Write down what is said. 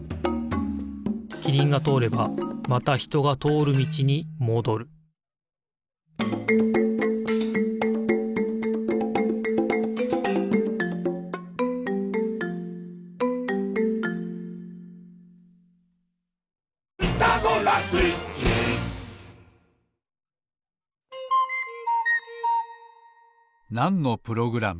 キリンがとおればまたひとがとおるみちにもどるなんのプログラム？